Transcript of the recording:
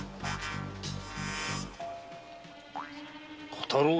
小太郎が？